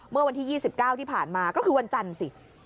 เมื่อวันที่๒๙ที่ผ่านมาก็คือวันจันทร์สิ